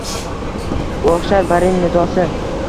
O’xshar barin nidosi.